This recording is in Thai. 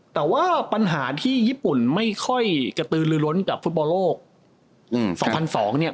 แต่ว่าปัญหาที่ญี่ปุ่นไม่ค่อยกระตือลือล้นกับฟุตบอลโลก๒๐๐๒เนี่ย